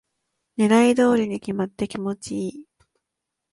狙い通りに決まって気持ちいい